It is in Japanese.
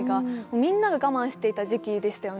みんなが我慢していた時期ですよね。